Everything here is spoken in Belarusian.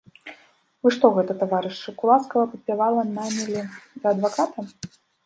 Вы што гэта, таварышы, кулацкага падпявала нанялі за адваката?